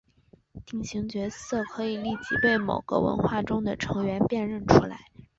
定型角色可以立即被某个文化中的成员辨认出来。